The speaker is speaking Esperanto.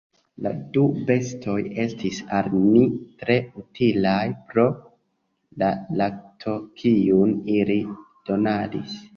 La du bestoj estis al ni tre utilaj pro la lakto, kiun ili donadis.